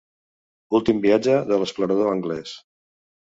Últim viatge de l'explorador anglès.